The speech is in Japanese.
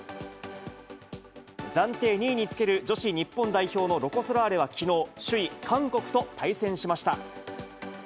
暫定２位につける女子日本代表のロコ・ソラーレはきのう、首位、韓国と対戦しました。